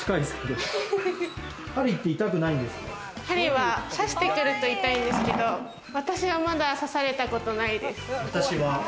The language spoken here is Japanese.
ハリーは刺してくると痛いんですけど、私はまだ刺されたことないです。